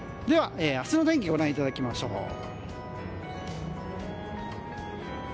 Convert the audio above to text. では、明日の天気ご覧いただきましょう。